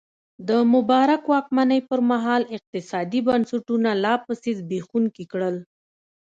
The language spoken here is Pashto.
د مبارک واکمنۍ پرمهال اقتصادي بنسټونه لا پسې زبېښونکي کړل.